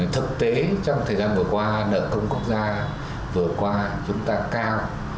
thực tế trong thời gian vừa qua nợ công quốc gia vừa qua chúng ta cao